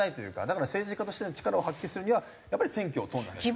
だから政治家としての力を発揮するにはやっぱり選挙を通らなきゃ。